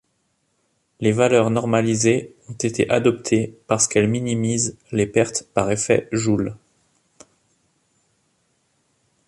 Les valeurs normalisées ont été adoptées parce qu'elles minimisent les pertes par effet Joule.